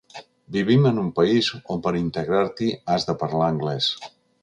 Vivim en un país on per integrar-t’hi has de parlar anglès.